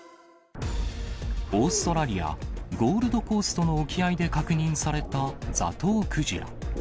オーストラリア・ゴールドコーストの沖合で確認されたザトウクジラ。